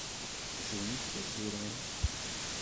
Aqjun-ik d azuran.